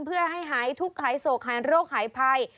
เพื่อให้หายทุกข์หายโศกหายโรคหายภัย